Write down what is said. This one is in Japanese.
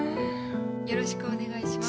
よろしくお願いします。